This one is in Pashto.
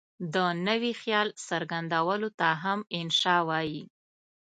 د نوي خیال څرګندولو ته هم انشأ وايي.